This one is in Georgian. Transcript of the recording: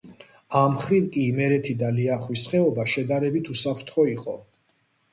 ამ მხრივ კი იმერეთი და ლიახვის ხეობა შედარებით უსაფრთხო იყო.